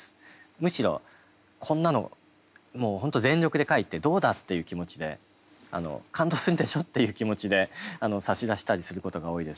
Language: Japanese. むしろこんなの本当全力で書いてどうだ！っていう気持ちで感動するでしょっていう気持ちで差し出したりすることが多いです。